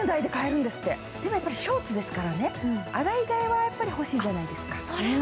でもやっぱりショーツですからね、洗い替えは欲しいじゃないですか。